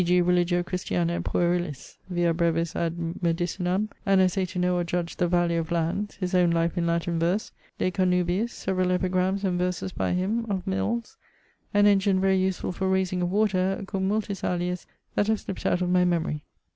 g. Religio Christiana Puerilis; Via brevis ad Medicinam; An Essay to know or judge the Value of Landes; His owne life in Latin verse; De Connubiis; Severall Epigrammes and Verses by him; Of Mills; An Engine very usefull for raysing of water; cum multis aliis that have slipt out of my memorie.